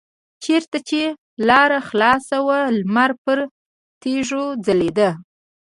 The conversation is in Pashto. چېرته چې لاره خلاصه وه لمر پر تیږو ځلیده.